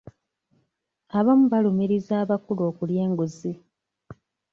Abamu balumiriza abakulu okulya enguzi.